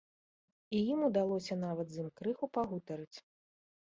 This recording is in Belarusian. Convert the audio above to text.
І ім удалося нават з ім крыху пагутарыць.